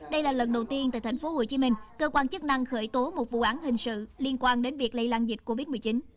đây là lần đầu tiên tại tp hcm cơ quan chức năng khởi tố một vụ án hình sự liên quan đến việc lây lan dịch covid một mươi chín